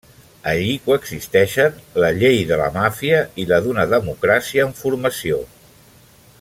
Allí coexisteixen la llei de la màfia i la d'una democràcia en formació.